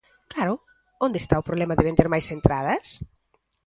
Claro, ¿onde está o problema de vender máis entradas?